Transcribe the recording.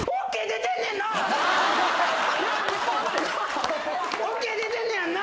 ＯＫ出てんねやんな？